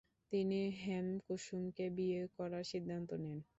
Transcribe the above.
তিনি হেমকুসুমকে বিয়ে করার সিদ্ধান্ত নেন।